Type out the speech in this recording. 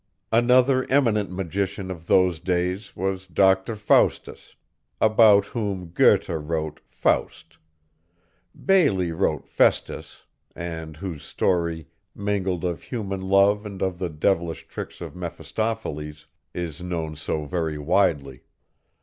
Another eminent magician of those days was Doctor Faustus, about whom Goethe wrote "Faust," Bailey wrote "Festus," and whose story, mingled of human love and of the devilish tricks of Mephistopheles, is known so very widely.